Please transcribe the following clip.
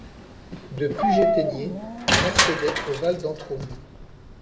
De Puget-Théniers, on accédait au val d'Entraunes.